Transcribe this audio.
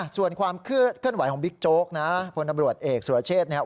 ส่วนความเคลื่อนไหวของบิ๊กโจ๊กนะพลตำรวจเอกสุรเชษเนี่ย